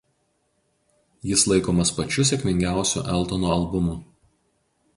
Jis laikomas pačiu sėkmingiausiu Eltono albumu.